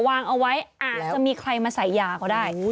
วางเอาไว้อาจจะมีใครมาใส่ยาก็ได้